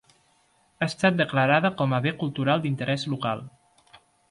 Ha estat declarada com a bé cultural d'interès local.